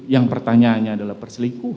yang pertanyaannya adalah perselingkuhan